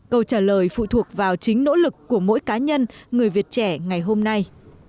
câu trả lời phụ thuộc vào chính nỗ lực của mỗi cá nhân người việt trẻ ngày hôm nay